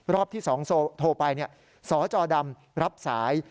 รอบที่๒โทรไปสจดำรับสาย